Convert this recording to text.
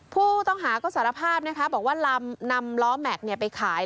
ผู้ต้องหาก็สารภาพนะคะบอกว่าลำนำล้อแม็กซ์ไปขาย